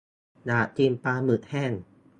อยากกินปลาหมึกแห้ง